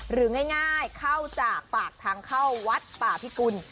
หรือง่ายเข้าจากปากทางเข้าวัดป่าพิกุล